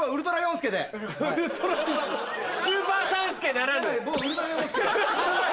スーパー３助ならぬ。